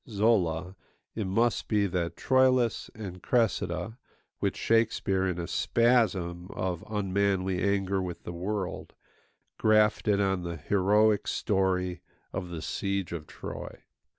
Zola, it must be that Troilus and Cressida which Shakespeare, in a spasm of unmanly anger with the world, grafted on the heroic story of the siege of Troy.